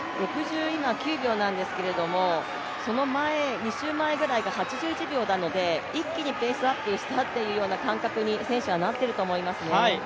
６９秒なんですけれども、その２周くらい前が８１秒なので一気にペースアップしたという感覚に選手はなっていると思います。